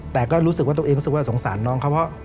แต่ก็รู้สึกว่าตัวเองรู้สึกว่าสงสารน้องเขาเพราะ